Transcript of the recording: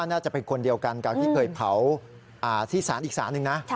น่าจะเป็นคนเดียวกันกับที่เคยเผาที่ศาลอีกศาลหนึ่งนะ